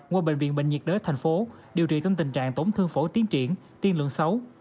qua bệnh viện bệnh nhiệt đới thành phố điều trị trong tình trạng tổn thương phổ tiến triển tiên lượng xấu